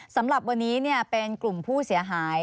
สำหรับวันนี้เป็นกลุ่มผู้เสียหาย